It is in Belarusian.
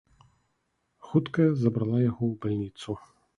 Хуткая забрала яго ў бальніцу.